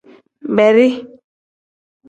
Bedi.